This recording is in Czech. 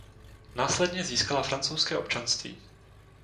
Následně získala francouzské občanství.